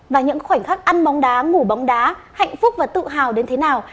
và những khoảnh khắc ăn bóng đá ngủ bóng đá hạnh phúc và tự hào đến thế nào